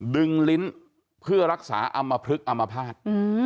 ดึงลิ้นเพื่อรักษาอัมพฤกษ์อัมภาษณ์